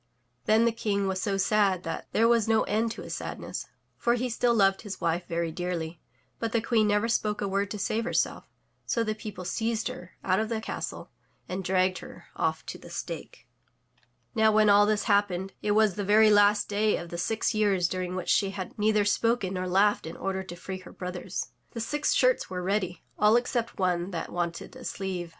Then the King was so sad that there was no end to his sadness, for he still loved his wife very dearly, but the queen never spoke a word to save herself, so the people seized her out of the castle and dragged her off to the stake. 367 MY BOOK HOUSE ^_=^ 5^ ^^)^ ^i::?* ■Pofjfj PCl^ANC^ £!^ ^^^^j^^ Now when all this happened, it was the very last day of the six years during which she had neither spoken nor laughed in order to free her brothers. The six shirts were ready, all except one that wanted a sleeve.